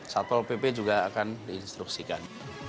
satpol pp juga akan diinstruksikan